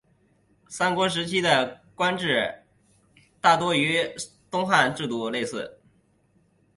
三国时期的官制大多与东汉制度类似。